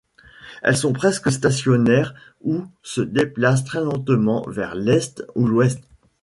Elles sont presque stationnaires ou se déplacent très lentement vers l'est ou l'ouest.